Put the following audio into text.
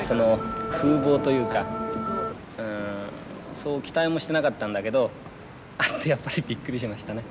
そう期待もしてなかったんだけど会ってやっぱりびっくりしましたね。